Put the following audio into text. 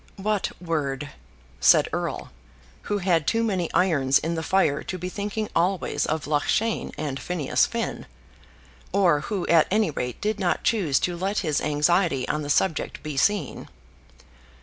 "What word?" said Erle, who had too many irons in the fire to be thinking always of Loughshane and Phineas Finn, or who at any rate did not choose to let his anxiety on the subject be seen.